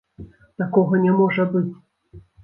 Такога не можа быць!